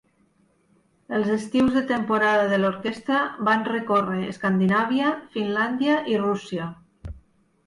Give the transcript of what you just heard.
Els estius de temporada de l'orquestra, van recórrer Escandinàvia, Finlàndia i Rússia.